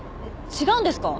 違うんですか？